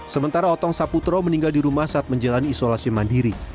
sementara otong saputro meninggal di rumah saat menjalani isolasi mandiri